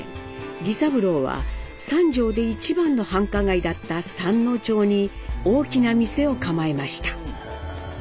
儀三郎は三条で一番の繁華街だった三之町に大きな店を構えました。